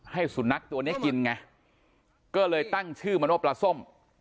สุนัขตัวนี้กินไงก็เลยตั้งชื่อมันว่าปลาส้ม